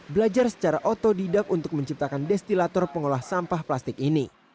belajar secara otodidak untuk menciptakan destilator pengolah sampah plastik ini